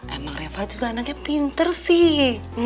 emang reva juga anaknya pinter sih